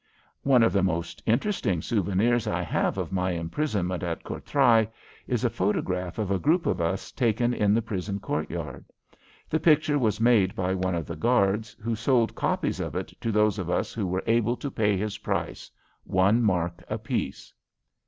One of the most interesting souvenirs I have of my imprisonment at Courtrai is a photograph of a group of us taken in the prison courtyard. The picture was made by one of the guards, who sold copies of it to those of us who were able to pay his price one mark apiece.